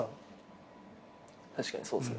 確かにそうですね。